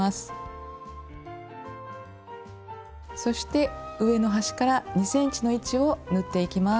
そして上の端から２ｃｍの位置を縫っていきます。